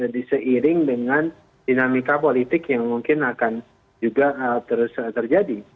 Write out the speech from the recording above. diseiring dengan dinamika politik yang mungkin akan juga terus terjadi